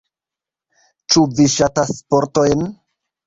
Ĉu vi ŝatas sportojn?